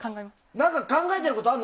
何か考えてることあるの？